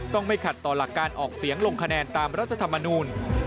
ไม่ขัดต่อหลักการออกเสียงลงคะแนนตามรัฐธรรมนูล